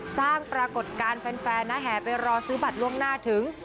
สร้างปรากฏการณ์แฟนนะแห่ไปรอซื้อบัตรล่วงหน้าถึง